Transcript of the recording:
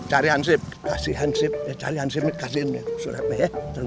cari handsycasi handsycasi handsycasi ini sudah